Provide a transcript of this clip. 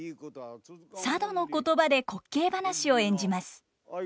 佐渡の言葉で滑稽話を演じます。